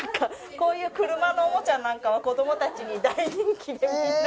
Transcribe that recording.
こういう車のおもちゃなんかは子どもたちに大人気で。